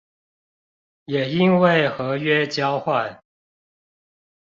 也因為合約交換